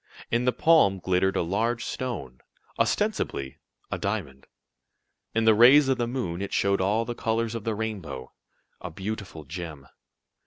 In the palm glittered a large stone ostensibly a diamond. In the rays of the moon it showed all the colors of the rainbow a beautiful gem.